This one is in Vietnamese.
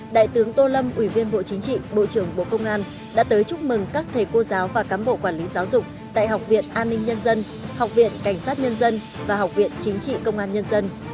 đại tướng tô lâm ủy viên bộ chính trị bộ trưởng bộ công an đã tới chúc mừng các thầy cô giáo và cám bộ quản lý giáo dục tại học viện an ninh nhân dân học viện cảnh sát nhân dân và học viện chính trị công an nhân dân